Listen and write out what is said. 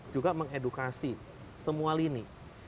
juga mengedukasi semua lini